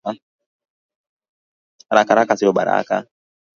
Araka araka sio baraka